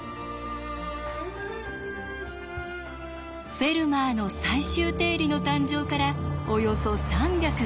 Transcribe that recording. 「フェルマーの最終定理」の誕生からおよそ３５０年。